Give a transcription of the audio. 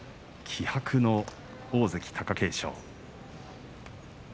気迫の大関貴景勝。